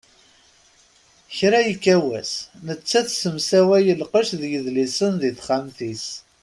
Kra ikka wass, nettat tessemsaway lqecc d yedlisen di texxamt-is.